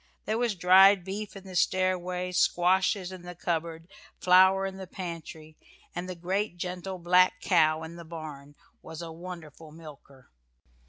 There was dried beef in the stairway, squashes in the cupboard, flour in the pantry, and the great gentle black cow in the barn was a wonderful milker.